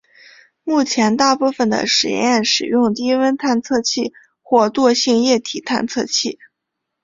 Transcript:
目前大部分的实验使用低温探测器或惰性液体探测器。